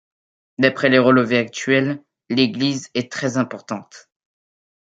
D'après les relevés actuels, l'église est très importante.